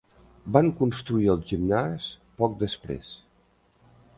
Van construir el gimnàs poc després.